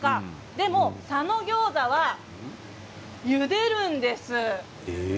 でも佐野餃子はゆでるんです。